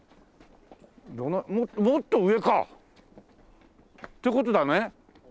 もっと上か！って事だね？